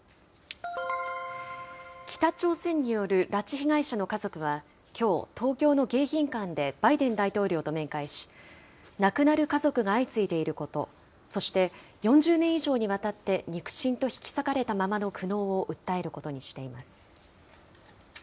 北朝鮮による拉致被害者の家族はきょう、東京の迎賓館でバイデン大統領と面会し、亡くなる家族が相次いでいること、そして４０年以上にわたって肉親と引き裂かれたままの苦悩を訴えることにしています。